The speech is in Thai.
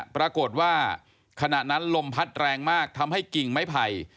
ปรากฏว่าขณะนั้นลมพัดแรงมากทำให้กิ่งไม้ไผ่